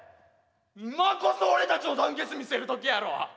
今こそ俺たちの団結見せる時やろ！